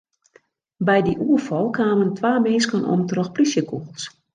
By dy oerfal kamen twa minsken om troch plysjekûgels.